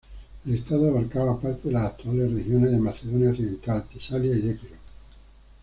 El estado abarcaba parte de las actuales regiones de Macedonia Occidental, Tesalia y Epiro.